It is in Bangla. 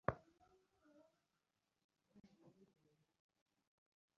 ললিতা মুহূর্তকাল স্তব্ধ থাকিয়া কহিল, শৈলর সঙ্গে আপনার বুঝি এই সম্বন্ধে চিঠিপত্র চলছে?